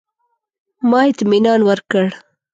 ما اطمنان ورکړ.